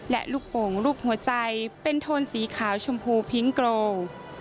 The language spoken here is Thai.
และลูกโป่งรูปหัวใจเป็นโทนสีขาวชมพูพิ้งโกรง